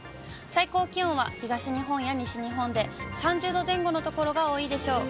最高気温は東日本や西日本で３０度前後の所が多いでしょう。